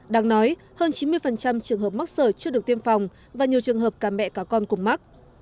đáng nói hơn chín mươi trường hợp mắc sởi chưa được tiêm phòng và nhiều trường hợp cả mẹ cả con cùng mắc